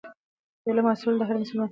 علم حاصلول د هر مسلمان فرض دی.